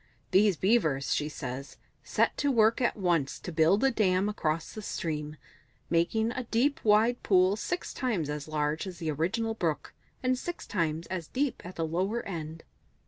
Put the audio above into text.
These Beavers, she says, set to work at once to build a dam across the stream, making a deep wide pool six times as large as the original brook, and six times as deep at the lower end."